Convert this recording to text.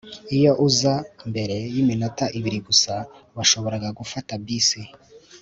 iyo uza mbere yiminota ibiri gusa, washoboraga gufata bisi